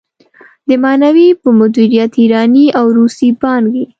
د معنوي په مديريت ايراني او روسي پانګې.